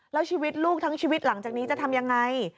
แล้วชีวิตลูกทั้งชีวิตหลังจากนี้จะทำยังไง